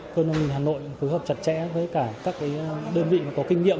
cơm năm hà nội phối hợp chặt chẽ với các đơn vị có kinh nghiệm